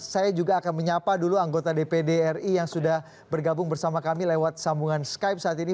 saya juga akan menyapa dulu anggota dpd ri yang sudah bergabung bersama kami lewat sambungan skype saat ini